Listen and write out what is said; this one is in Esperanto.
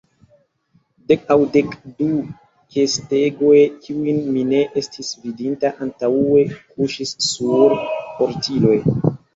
Dek aŭ dek du kestegoj, kiujn mi ne estis vidinta antaŭe, kuŝis sur portiloj.